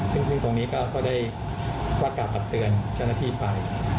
ซึ่งตรงนี้ก็ได้ว่ากล่าวตักเตือนเจ้าหน้าที่ไป